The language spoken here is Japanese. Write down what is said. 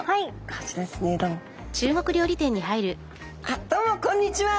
あっどうもこんにちは！